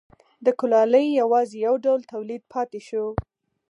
د کولالۍ یوازې یو ډول تولید پاتې شو.